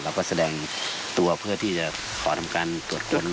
แสดงตัวเพื่อที่จะขอทำการตรวจค้น